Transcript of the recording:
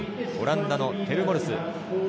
オランダのテル・モルス。